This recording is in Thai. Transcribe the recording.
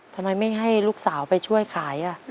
ทำไมไม่ให้ลูกสาวไปช่วยขาย